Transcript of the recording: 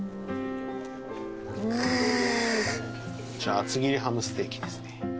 厚切りハムステーキですね。